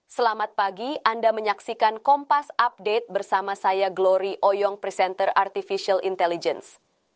selamat pagi anda menyaksikan kompas update bersama saya glory oyong presenter artificial intelligence